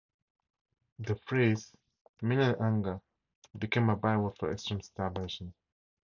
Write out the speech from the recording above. The phrase "Melian hunger" became a byword for extreme starvation.